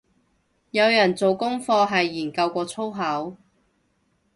有人做功課係研究過粗口